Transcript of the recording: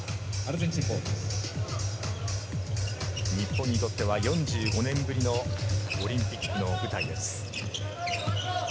日本にとっては４５年ぶりのオリンピックの舞台です。